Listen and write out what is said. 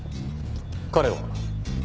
彼は？